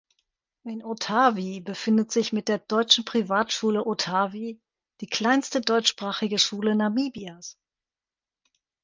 In Otavi befindet sich mit der „Deutschen Privatschule Otavi“ die kleinste deutschsprachige Schule Namibias.